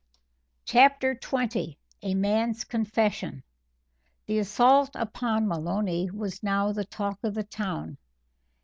CHAPTER XX A Man's Confession The assault upon Maloney was now the talk of the town.